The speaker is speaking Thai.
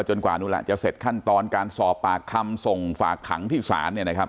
จนกว่านู้นล่ะจะเสร็จขั้นตอนการสอบปากคำส่งฝากขังที่ศาล